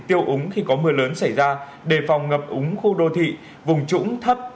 tiêu úng khi có mưa lớn xảy ra đề phòng ngập úng khu đô thị vùng trũng thấp